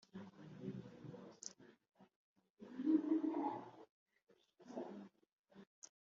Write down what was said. azakomoka mu rubyaro rwa dawidi kandi agaturuka i betelehemu l mu mudugudu dawidi yabagamo